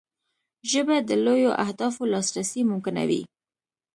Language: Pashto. ژبه د لویو اهدافو لاسرسی ممکنوي